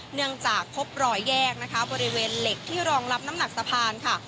จากพบรอยแยกนะคะบริเวณเหล็กที่รองรับน้ำหนักสะพานค่ะ